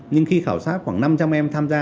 nhưng khi khảo sát khoảng năm trăm linh em tham gia